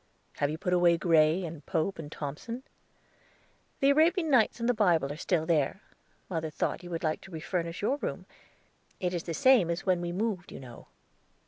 "Have you put away Gray, and Pope, and Thomson?" "The Arabian Nights and the Bible are still there. Mother thought you would like to refurnish your room. It is the same as when we moved, you know."